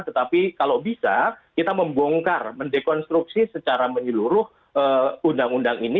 tetapi kalau bisa kita membongkar mendekonstruksi secara menyeluruh undang undang ini